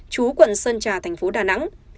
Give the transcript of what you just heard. chú quận sơn trà thành phố đà nẵng